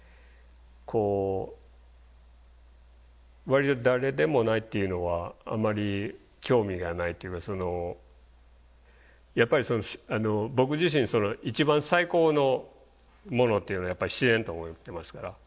こう割と誰でもないっていうのはあまり興味がないというかやっぱり僕自身一番最高のものっていうのはやっぱり自然と思ってますから。